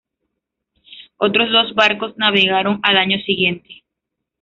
Otros dos barcos navegaron al año siguiente.